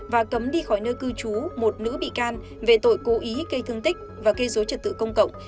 và cấm đi khỏi nơi cư trú một nữ bị can về tội cố ý gây thương tích và gây dối trật tự công cộng